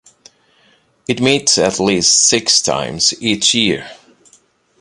It meets at least six times each year.